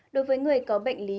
đối với người có bệnh lý